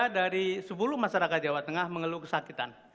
tiga dari sepuluh masyarakat jawa tengah mengeluh kesakitan